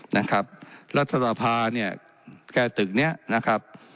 นะครับรัฐสภาเนี่ยแก้ตึกเนี้ยนะครับ